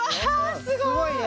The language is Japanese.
すごいね。